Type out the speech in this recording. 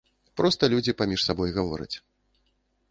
Проста людзі паміж сабой гавораць.